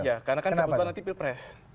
iya karena kan kebetulan nanti pilpres